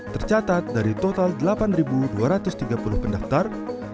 tercatat dari total delapan dua ratus tiga puluh pendaftar